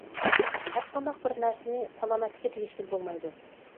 ھەرقانداق بىر نەرسىنى سالامەتلىككە تېگىشكىلى بولمايدۇ.